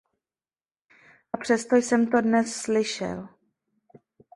A přesto jsem to dnes slyšel.